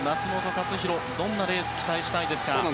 克央にはどんなレース期待したいですか？